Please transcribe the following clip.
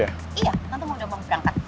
iya tante mau jempol berangkat